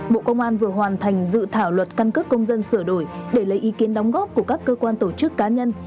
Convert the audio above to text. bộ công an vừa hoàn thành dự thảo luật căn cước công dân sửa đổi để lấy ý kiến đóng góp của các cơ quan tổ chức cá nhân